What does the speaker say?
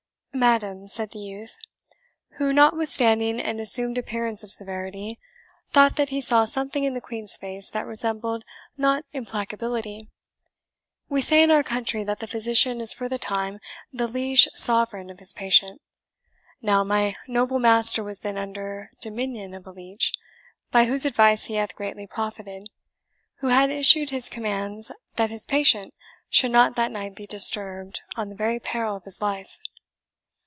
"Madam," said the youth who, notwithstanding an assumed appearance of severity, thought that he saw something in the Queen's face that resembled not implacability "we say in our country, that the physician is for the time the liege sovereign of his patient. Now, my noble master was then under dominion of a leech, by whose advice he hath greatly profited, who had issued his commands that his patient should not that night be disturbed, on the very peril of his life."